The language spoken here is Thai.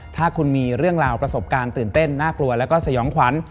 ถ้าคุณมีเรื่องราวประสบการณ์ตื่นเต้นน่ากลัวแล้วก็สยองขวัญ